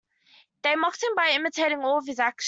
They mocked him by imitating all of his actions.